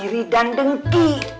iri dan dengki